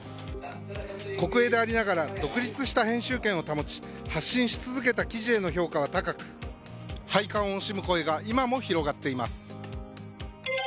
国営でありながら独立した編集権を保ち発信し続けた記事への評価は高く廃刊を惜しむ声が今も広がっています。